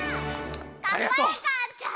かっこよかった！